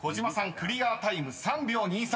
クリアタイム３秒２３］